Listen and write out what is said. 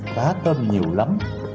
cá tôm nhiều lắm